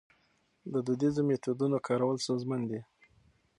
د دودیزو میتودونو کارول ستونزمن دي.